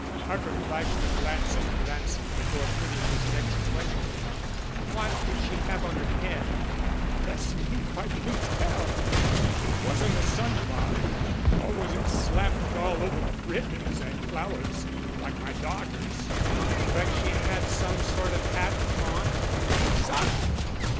Harper flashed a glance at Ransom before putting his next question. "What did she have on her head?" "Bless me if I can tell! It wasn't a sun bonnet, nor was it slapped all over with ribbons and flowers like my darter's." "But she had some sort of hat on?" "Sartain.